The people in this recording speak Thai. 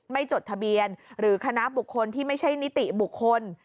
จดทะเบียนหรือคณะบุคคลที่ไม่ใช่นิติบุคคล